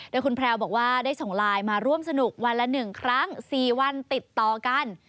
โดยคุณแพรวบอกว่าได้ส่งไลน์มาร่วมสนุกวันละ๑ครั้ง๔วันติดต่อกัน